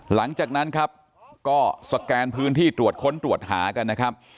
หลังจากนั้นครับก็สแกนพื้นที่ตรวจค้นตรวจหากันนะครับ